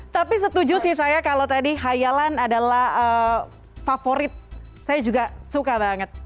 tapi setuju sih saya kalau tadi hayalan adalah favorit saya juga suka banget